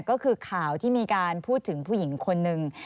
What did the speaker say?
ก็คือข่าวที่มีการพูดถึงผู้หญิงคนหนึ่ง